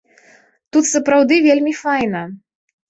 Тут сапраўды вельмі файна.